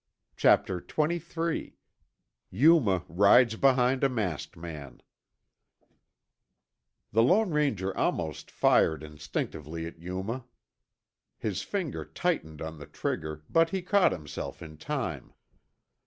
Chapter XXIII YUMA RIDES BEHIND A MASKED MAN The Lone Ranger almost fired instinctively at Yuma. His finger tightened on the trigger, but he caught himself in time.